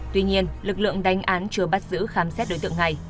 tuy nhiên lực lượng đánh án chưa bắt giữ khám xét đối tượng này